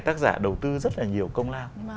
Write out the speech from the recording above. tác giả đầu tư rất là nhiều công lao